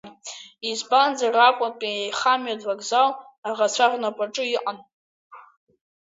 Избанзар, Аҟәатәи аихамҩатә вокзал аӷацәа рнапаҿы иҟан.